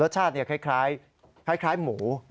รสชาติคล้ายหมู